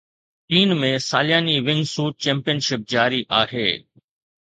چين ۾ سالياني wingsuit championship جاري آهي